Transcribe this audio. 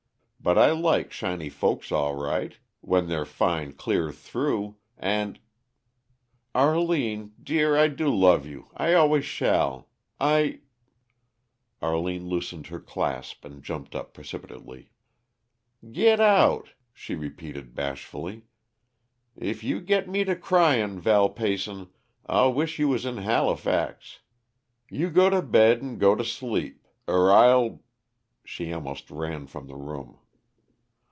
But I like shiny folks all right when they're fine clear through, and " "Arline dear, I do love you. I always shall. I " Arline loosened her clasp and jumped up precipitately. "Git out!" she repeated bashfully. "If you git me to cryin', Val Peyson, I'll wish you was in Halifax. You go to bed, 'n' go to sleep, er I'll " She almost ran from the room.